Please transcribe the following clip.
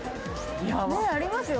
ねえありますよ。